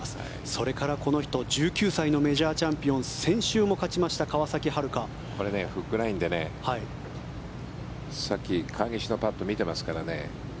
それからこの人１９歳のメジャーチャンピオンこれ、フックラインでさっき川岸のパットを見ていますからね。